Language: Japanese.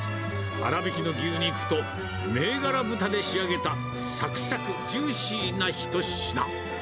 粗びきの牛肉と銘柄豚で仕上げたさくさくジューシーな一品。